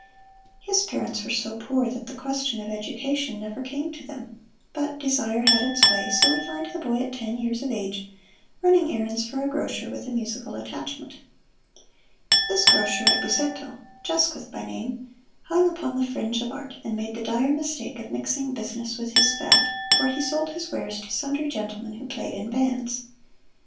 His parents were so poor that the question of education never came to them; but desire has its way, so we find the boy at ten years of age running errands for a grocer with a musical attachment. This grocer, at Busseto, Jasquith by name, hung upon the fringe of art, and made the dire mistake of mixing business with his fad, for he sold his wares to sundry gentlemen who played in bands.